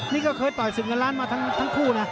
นี่ก็เคยต่อยศึกเงินล้านมาทั้งคู่นะ